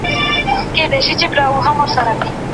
دولت په اساسي زېربناوو کار کوي.